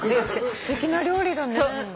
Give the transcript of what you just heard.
すてきな料理だね。